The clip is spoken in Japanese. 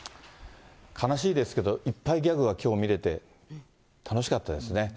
悲しいですけど、いっぱいギャグが、きょう見れて、楽しかったですね。